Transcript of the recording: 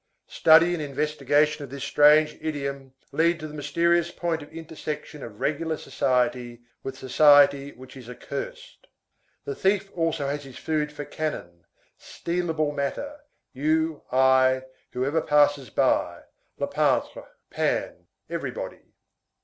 Study and investigation of this strange idiom lead to the mysterious point of intersection of regular society with society which is accursed. The thief also has his food for cannon, stealable matter, you, I, whoever passes by; le pantre. (Pan, everybody.)